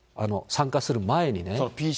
参加する前にね。